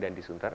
dan di sunter